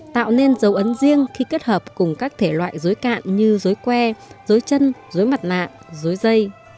tạo nên dấu ấn riêng khi kết hợp cùng các thể loại rối cạn như rối que rối chân rối mặt nạ rối dây